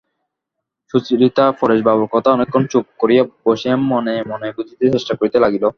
সুচরিতা পরেশবাবুর কথা অনেকক্ষণ চুপ করিয়া বসিয়া মনে মনে বুঝিতে চেষ্টা করিতে লাগিল।